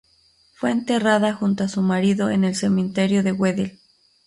Fue enterrada junto a su marido en el Cementerio de Wedel.